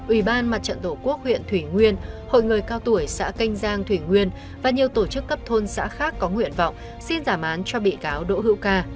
ủy ban mặt trận tổ quốc huyện thủy nguyên hội người cao tuổi xã canh giang thủy nguyên và nhiều tổ chức cấp thôn xã khác có nguyện vọng xin giảm án cho bị cáo đỗ hữu ca